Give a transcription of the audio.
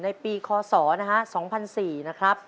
ในปีคอร์ส๐นะคะเกือนแมทรี๑๐๔